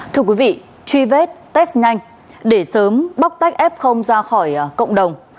thưa quý vị truy vết test nhanh để sớm bóc tách f ra khỏi cộng đồng